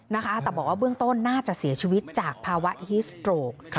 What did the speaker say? แต่บอกว่าเบื้องต้นน่าจะเสียชีวิตจากภาวะฮิสโตรก